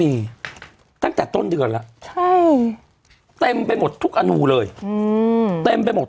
ตั้งแต่ต้นเดือนแล้วใช่เต็มไปหมดทุกอนูเลยอืมเต็มไปหมด